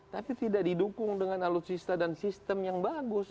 tapi tidak didukung dengan alutsista dan sistem yang bagus